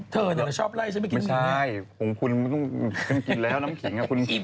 เธอเนี่ยแบบชอบไล่ฉันไปกินน้ำขิงไม่ใช่ของคุณกินแล้วน้ำขิงอะคุณ